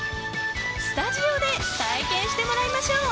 スタジオで体験してもらいましょう。